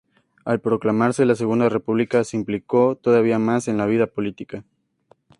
Al proclamarse la Segunda República se implicó todavía más en la vida política.